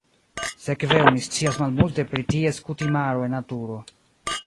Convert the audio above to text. Sekve oni scias malmulte pri ties kutimaro en naturo.